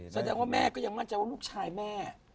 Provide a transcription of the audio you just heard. แสดงว่าแม่ก็ยังมั่นใจว่าลูกชายแม่